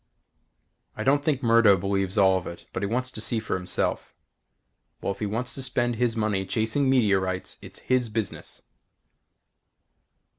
I don't think Murdo believes all of it but he wants to see for himself. Well, if he wants to spend his money chasing meteorites it's his business.